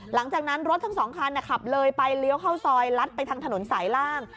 หลังจากนั้นรถทั้งสองคันขับเลยไปเลี้ยวเข้าซอยลัดไปทางถนนสายล่าง